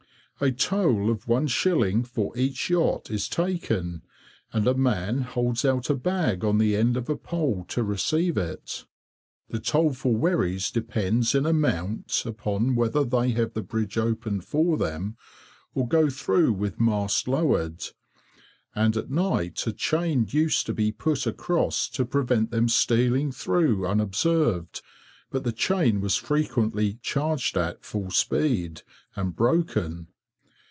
A toll of 1s. for each yacht is taken, and a man holds out a bag on the end of a pole to receive it. The toll for wherries depends in amount upon whether they have the bridge opened for them or go through with mast lowered, and at night a chain used to be put across to prevent them stealing through unobserved, but the chain was frequently "charged" at full speed, and broken.